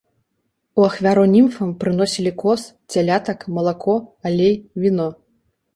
У ахвяру німфам прыносілі коз, цялятак, малако, алей, віно.